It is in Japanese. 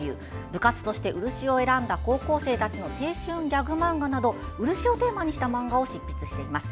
部活として漆を選んだ高校生たちの青春ギャグ漫画など漆をテーマにした漫画を執筆しています。